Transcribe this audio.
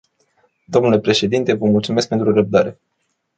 Dle președinte, vă mulțumesc pentru răbdare.